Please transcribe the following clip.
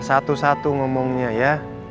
satu satu ngomongnya ya